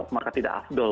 maka tidak afdol